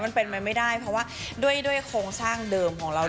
มันเป็นไปไม่ได้เพราะว่าด้วยโครงสร้างเดิมของเรา